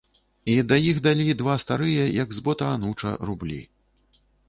І да іх далі два старыя, як з бота ануча, рублі.